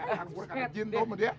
ambur kan jin tau gak dia